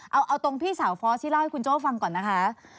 เอาตรงพี่สาวฟอสที่เล่าให้คุณโจ้ฟังก่อนนะคะ